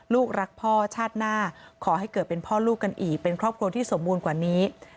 ลูกรักพ่อชาติหน้าขอให้เกิดเป็นพ่อลูกกันอีกเป็นครอบครัวที่สมบูรณ์กว่านี้